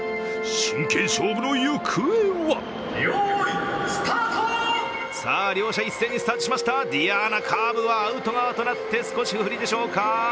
真剣勝負の行方はさあ、両者一斉にスタートしましたディアーナ、カーブはアウト側となって少し不利でしょうか。